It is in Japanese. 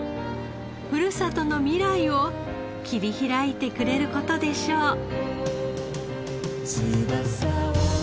ふるさとの未来を切り開いてくれる事でしょう。